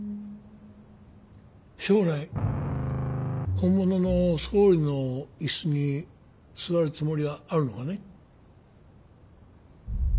将来本物の総理のいすに座るつもりはあるのかね？